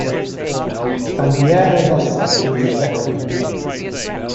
Bandiera Rossa is a left wing current.